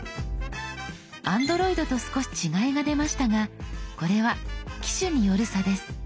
Ａｎｄｒｏｉｄと少し違いが出ましたがこれは機種による差です。